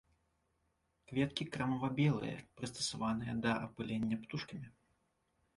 Кветкі крэмава-белыя, прыстасаваныя да апылення птушкамі.